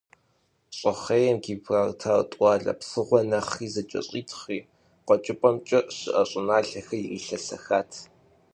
ЩӀыхъейм Гибралтар тӀуалэ псыгъуэр нэхъри зэкӀэщӀитхъри, КъуэкӀыпӀэмкӀэ щыӀэ щӀыналъэхэр ирилъэсэхат.